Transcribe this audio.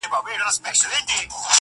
o څه مور لنگه، څه ترور لنگه.